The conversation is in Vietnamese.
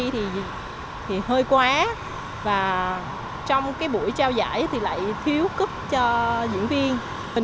thì hơi quá và trong cái buổi trao giải thì lại thiếu cúp cho diễn viên